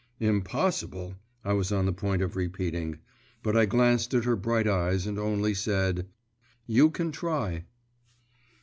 'Impossible,' I was on the point of repeating.… But I glanced at her bright eyes, and only said: 'You can try.